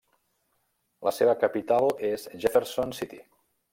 La seva capital és Jefferson City.